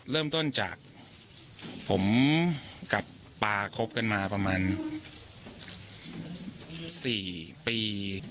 เริ่มต้นจากผมกับปลาคบกันมาประมาณ๔ปี